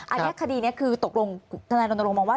อันนี้คดีนี้คือตกลงท่านแนนโรนโรงว่า